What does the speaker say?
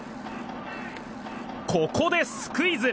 ここでスクイズ。